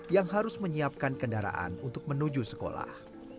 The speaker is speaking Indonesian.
yang harus menyiapkan kendaraan untuk menuju sekolah